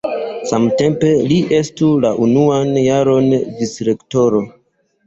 Samtempe li estu la unuan jaron vicrektoro.